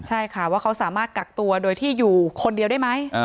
ใช่ค่ะว่าเขาสามารถกักตัวโดยที่อยู่คนเดียวได้ไหม